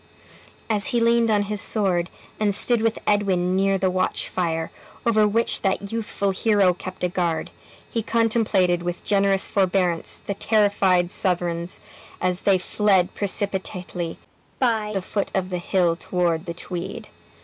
As he leaned on his sword, and stood with Edwin near the watch fire, over which that youthful hero kept a guard, he contemplated with generous forbearance the terrified Southrons as they fled precipitately by the foot of the hill toward the Tweed.